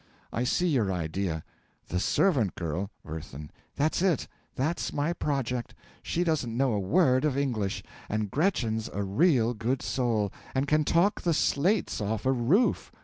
I see your idea. The servant girl WIRTHIN. That's it; that's my project. She doesn't know a word of English. And Gretchen's a real good soul, and can talk the slates off a roof.